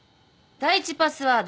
第二パスワード。